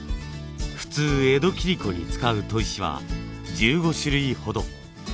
普通江戸切子に使う砥石は１５種類ほど。